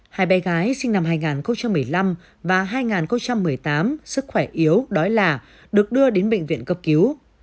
hai bé gái sinh năm hai nghìn một mươi năm và hai nghìn một mươi tám sức khỏe yếu đói là được đưa đến bệnh viện cấp cứu